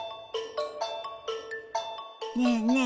ねえねえ